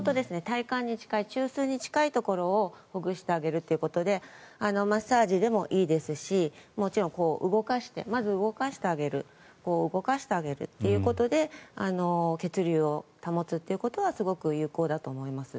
体幹に近い中枢に近いところをほぐしてあげるということでマッサージでもいいですしまず動かしてあげることで血流を保つということはすごく有効だと思います。